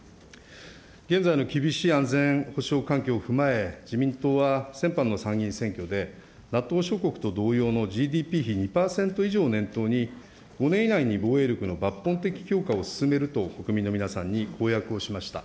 現在の厳しい安全保障環境を踏まえ、自民党は先般の参議院選挙で、ＮＡＴＯ諸国と同様のＧＤＰ費２％以上を念頭に、５年以内に防衛力の抜本的強化を進めると国民の皆さんに公約をしました。